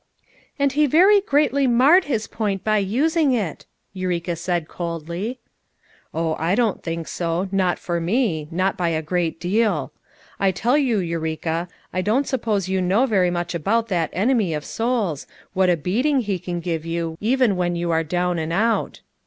"And he very greatly marred his point by using it," Eureka said coldly. FOUR MOTHERS AT CHAUTAUQUA 369 "Oh, I don't think so; not for me; not by a great deal! I tell yon, Eureka, I don't sup pose you know very much about that enemy of souls, what a beating he can give you even when you are down and out.